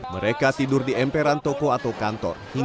mereka tidur di aparat kepolisian yang terdekat kemarin ini